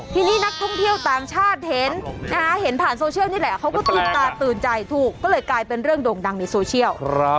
ทีนี้นักท่องเที่ยวต่างชาติเห็นผ่านโซเชียลนี่แหละเขาก็ตื่นตาตื่นใจถูกก็เลยกลายเป็นเรื่องโด่งดังในโซเชียล